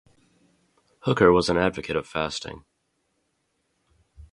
Hooker was an advocate of fasting.